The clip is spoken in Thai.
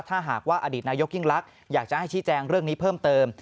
ถ้าหากว่าอดีตนายกยิ่งลักษณ์อยากจะให้ชี้แจงเรื่องนี้เพิ่มเติม